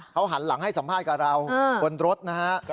เขาหันหลังให้สัมภาษณ์กับเราบนรถนะฮะ